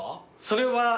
それは。